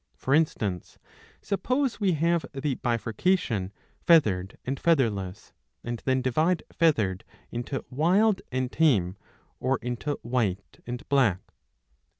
For instance, suppose we have the bifurcation Feathered and Featherless, and then divide Feathered into Wild and Tame, or into White and Black.